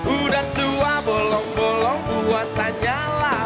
udah tua bolong bolong puasanya lah